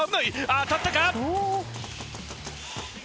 当たったか？